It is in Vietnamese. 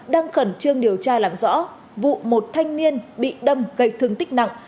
đang khẩn trương điều tra làm rõ vụ một thanh niên bị đâm gây thương tích nặng